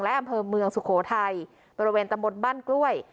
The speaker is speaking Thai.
และอำเภอเมืองสุโขทัยบริเวณตำบลบ้านกล้วย